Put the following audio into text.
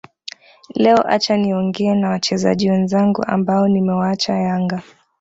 Leo acha niongee na wachezaji wenzangu ambao nimewaacha Yanga